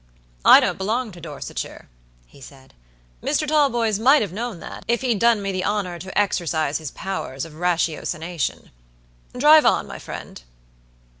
"I don't belong to Dorsetshire," he said. "Mr. Talboys might have known that, if he'd done me the honor to exercise his powers of ratiocination. Drive on, my friend."